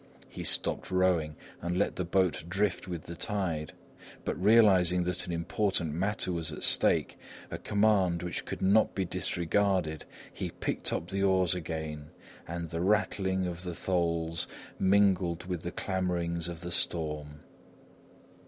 He stopped rowing and let the boat drift with the tide. But realising that an important matter was at stake, a command which could not be disregarded, he picked up the oars again; and the rattling of the tholes mingled with the clamourings of the storm.